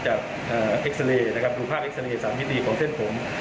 จากเอ่อเอ็กซาเรย์นะครับดูภาพเอ็กซาเรย์สามมิติของเส้นผม